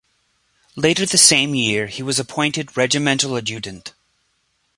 Later the same year he was appointed regimental adjutant.